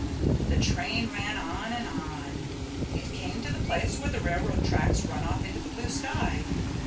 The train ran on and on. It came to the place where the railroad tracks run off into the blue sky.